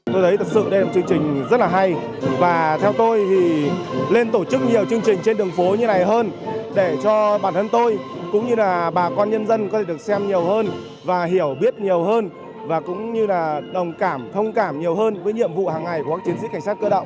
trên đường phố như thế này hơn để cho bản thân tôi cũng như là bà con nhân dân có thể được xem nhiều hơn và hiểu biết nhiều hơn và cũng như là đồng cảm thông cảm nhiều hơn với nhiệm vụ hàng ngày của các chiến sĩ cảnh sát cơ động